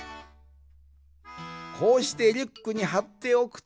こうしてリュックにはっておくと。